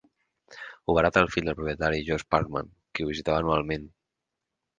Ho va heretar el fill del propietari, George Parkman, qui ho visitava anualment.